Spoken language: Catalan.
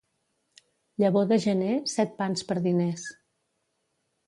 Llavor de gener, set pans per diners.